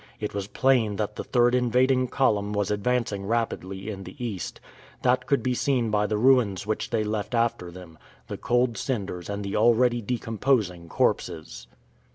It was plain that the third invading column was advancing rapidly in the East; that could be seen by the ruins which they left after them the cold cinders and the already decomposing corpses.